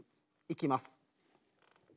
いきます。